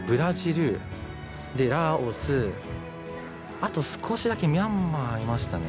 あと少しだけミャンマーいましたね。